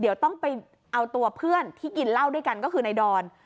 เดี๋ยวต้องไปเอาตัวเพื่อนที่กินเหล้าด้วยกันก็คือในดอน